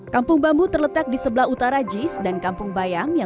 kampung bambu terletak di sebelah utara jis dan kampung bayam